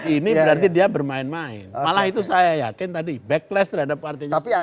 ini berarti dia bermain main malah itu saya yakin tadi backlash terhadap partainya